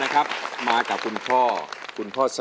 มาพบกับแก้วตานะครับนักสู้ชีวิตสู้งาน